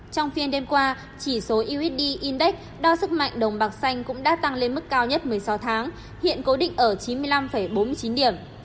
trong phiên đêm qua chỉ số usd index đo sức mạnh đồng bạc xanh cũng đã tăng lên mức cao nhất một mươi sáu tháng hiện cố định ở chín mươi năm bốn mươi chín điểm